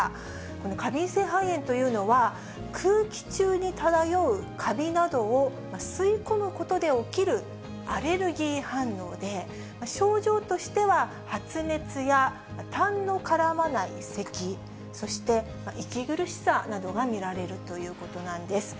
この過敏性肺炎というのは、空気中に漂うカビなどを吸い込むことで起きるアレルギー反応で、症状としては、発熱や、たんのからまないせき、そして息苦しさなどが見られるということなんです。